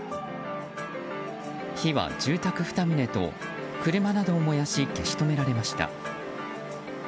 火は、住宅２棟と車などを燃やし消し止められました。